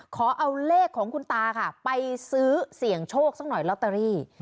ขอเอาเลขของคุณตาค่ะไปซื้อเสี่ยงโชคสักหน่อยลอตเตอรี่